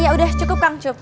ya sudah cukup kang cup